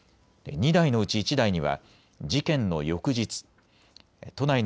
２台のうち１台には事件の翌日、都内の